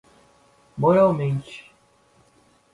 moralmente